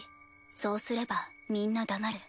そうすればみんな黙る。